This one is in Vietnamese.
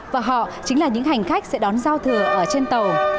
và họ chính là những hành khách sẽ đón giao thừa ở trên tàu